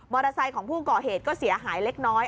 ไซค์ของผู้ก่อเหตุก็เสียหายเล็กน้อย